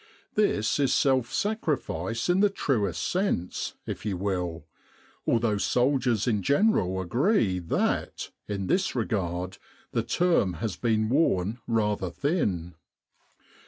This is self sacrifice in the truest sense, if you will : although soldiers in general agree that, in this regard, the term has been worn rather thin.